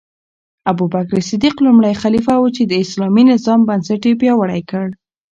ابوبکر صدیق لومړی خلیفه و چې د اسلامي نظام بنسټ یې پیاوړی کړ.